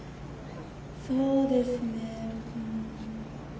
そうですね。